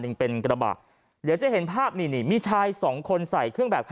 หนึ่งเป็นกระบะเดี๋ยวจะเห็นภาพนี่นี่มีชายสองคนใส่เครื่องแบบ